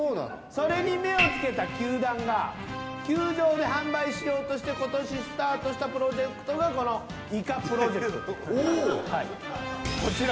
それに目をつけた球団が球場で販売しようとして今年スタートしたプロジェクトがこのイカプロジェクトこちら。